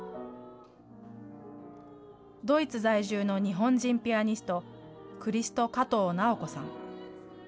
ドイツ在住の日本人ピアニスト、クリスト加藤尚子さん。